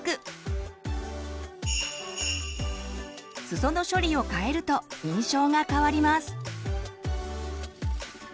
すその処理を変えると印象が変わります。